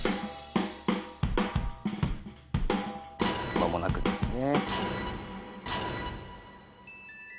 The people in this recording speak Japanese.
間もなくですね。